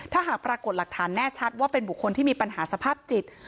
ถ้าหากปรากฏหลักฐานแน่ชัดว่าเป็นบุคคลที่มีปัญหาสภาพจิต